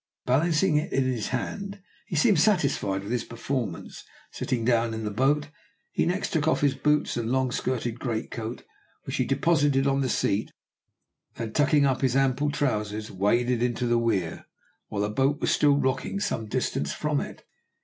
Balancing it in his hand, he seemed satisfied with his performance. Sitting down in the boat, he next took off his boots and long skirted great coat, which he deposited on the seat, and then, tucking up his ample trousers, waded up to the weir, while the boat was still rocking some distance from it.